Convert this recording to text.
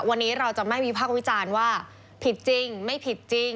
วันนี้เราจะไม่วิพากษ์วิจารณ์ว่าผิดจริงไม่ผิดจริง